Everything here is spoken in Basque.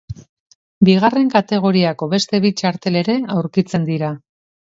Bigarren kategoriako beste bi txartel ere aurkitzen dira.